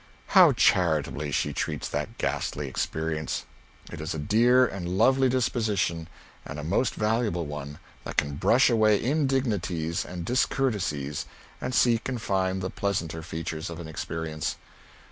How charitably she treats that ghastly experience! It is a dear and lovely disposition, and a most valuable one, that can brush away indignities and discourtesies and seek and find the pleasanter features of an experience.